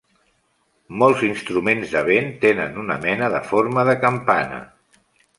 Molts instruments de vent tenen una mena de forma de campana.